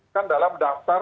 kan dalam daftar